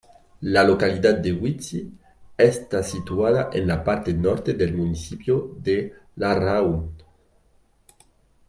La localidad de Huici está situada en la parte Norte del municipio de Larráun.